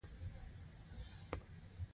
د زړه ناروغۍ د ژوند کیفیت خرابوي.